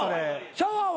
シャワーは？